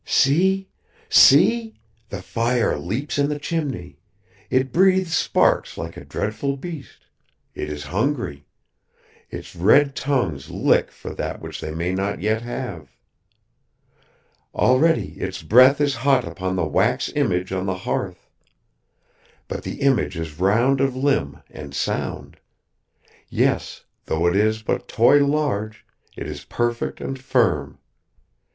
"See! See! The fire leaps in the chimney; it breathes sparks like a dreadful beast it is hungry; its red tongues lick for that which they may not yet have. Already its breath is hot upon the wax image on the hearth. But the image is round of limb and sound. Yes, though it is but toy large, it is perfect and firm!